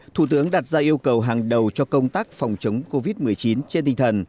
thủ tướng đặt ra yêu cầu hàng đầu cho công tác phòng chống covid một mươi chín trên tinh thần